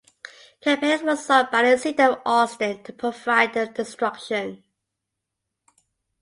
Companies were sought by the City of Austin to provide the destruction.